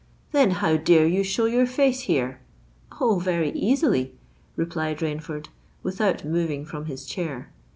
"Then how dare you show your face here?"—"Oh! very easily," replied Rainford, without moving from his chair.